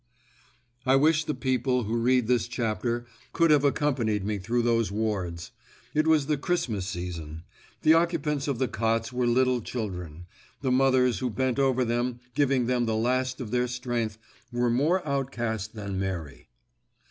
I wish the people who read this chapter could have accompanied me through those wards. It was the Christmas season. The occupants of the cots were little children; the mothers who bent over them, giving them the last of their strength, were more outcast than Mary.